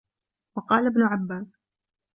وَقَالَ ابْنُ عَبَّاسٍ